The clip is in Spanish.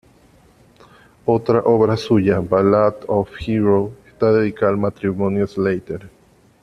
Otra obra suya, "Ballad of Heroes", está dedicada al matrimonio Slater.